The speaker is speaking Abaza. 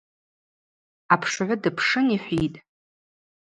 Апшгӏвы дыпшын йхӏвитӏ:.